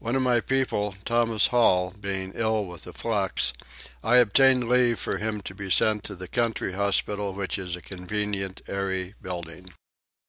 One of my people, Thomas Hall, being ill with a flux I obtained leave for him to be sent to the country hospital which is a convenient airy building.